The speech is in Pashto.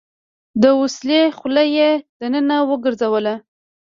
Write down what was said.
د وسلې خوله يې دننه وګرځوله.